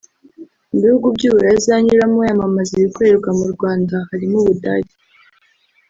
Mu bihugu by’Uburayi azanyuramo yamamaza ibikorerwa mu Rwanda harimo u Budage